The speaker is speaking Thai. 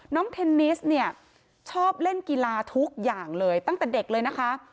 เทนนิสเนี่ยชอบเล่นกีฬาทุกอย่างเลยตั้งแต่เด็กเลยนะคะ